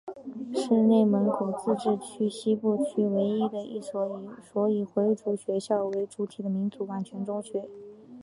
是内蒙古自治区西部区唯一的一所以回族学生为主体的民族完全中学。